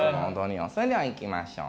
それではいきましょう。